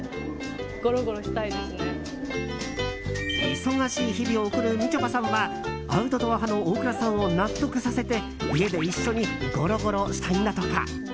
忙しい日々を送るみちょぱさんはアウトドア派の大倉さんを納得させて家で一緒にゴロゴロしたいんだとか。